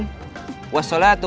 wasolatu wassalamu ala alamin